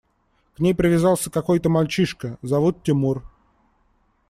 К ней привязался какой-то мальчишка, зовут Тимур.